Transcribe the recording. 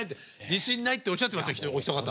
自信ないっておっしゃってますよお一方。